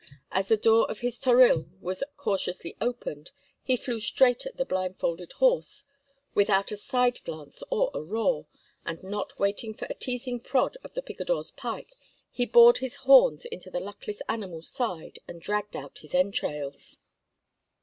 As the door of his toril was cautiously opened he flew straight at the blindfolded horse without a side glance or a roar; and not waiting for the teasing prod of the picador's pike, he bored his horns into the luckless animal's side and dragged out his entrails.